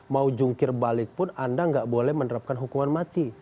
mau jungkir balik pun anda nggak boleh menerapkan hukuman mati